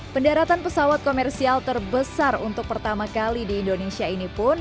pendaratan pesawat komersial terbesar untuk pertama kali di indonesia ini pun